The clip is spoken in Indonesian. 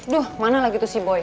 duh mana lagi tuh si boy